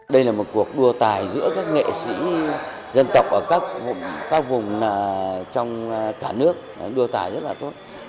đây là một cuộc đua tài giữa các nghệ sĩ dân tộc ở các vùng trong cả nước đua tài rất là tốt